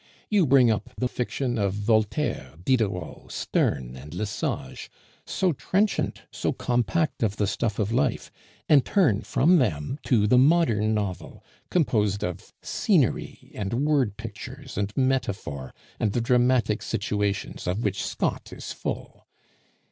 You bring up the fiction of Voltaire, Diderot, Sterne, and Le Sage, so trenchant, so compact of the stuff of life; and turn from them to the modern novel, composed of scenery and word pictures and metaphor and the dramatic situations, of which Scott is full.